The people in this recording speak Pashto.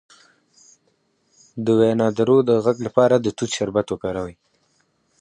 د وینادرو د غږ لپاره د توت شربت وکاروئ